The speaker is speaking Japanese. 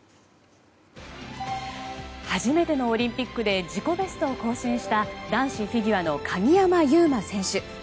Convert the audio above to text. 初めてのオリンピックで自己ベストを更新した男子フィギュアの鍵山優真選手。